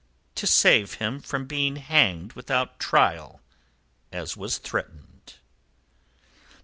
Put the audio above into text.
"To save him from being hanged without trial, as was threatened."